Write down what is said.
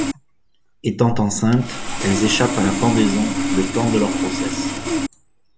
Étant enceintes, elles échappent à la pendaison le temps de leurs grossesses.